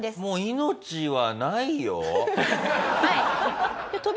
もう命はないよ？